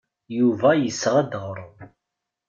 Yuba yesɣa-d aɣrum.